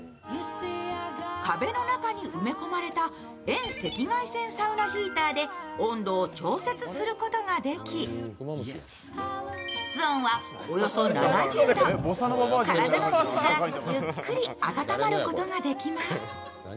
壁の中に埋め込まれた遠赤外線サウナヒーターで温度を調節することができ、室温はおよそ７０度、体の芯からゆっくり温まることができます。